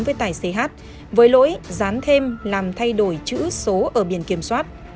với tài xế h với lỗi dán thêm làm thay đổi chữ số ở biển kiểm soát